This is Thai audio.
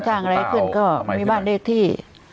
สร้างอะไรขึ้นก็มีบ้านเล็กที่